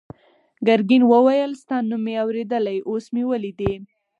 ګرګین وویل ستا نوم مې اورېدلی اوس مې ولیدې.